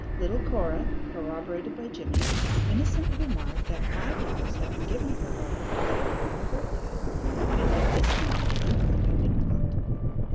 Little Cora, corroborated by Jimmie, innocently remarked that five dollars had been given her by her father on her birthday, and with this money the evil had been wrought.